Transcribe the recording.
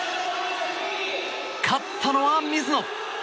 勝ったのは、水野！